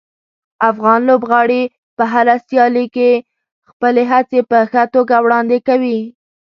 افغان لوبغاړي په هره سیالي کې خپلې هڅې په ښه توګه وړاندې کوي.